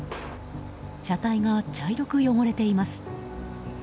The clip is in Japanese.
車体が茶色く汚れています。